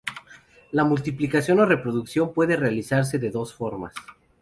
La multiplicación o reproducción puede realizarse de dos formas.